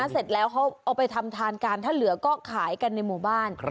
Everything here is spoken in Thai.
เสร็จแล้วเขาเอาไปทำทานกันถ้าเหลือก็ขายกันในหมู่บ้าน